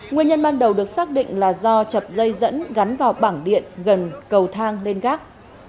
nguyên nhân ban đầu được xác định là do chập dây dẫn gắn vào bảng điện gần cầu thang lên gác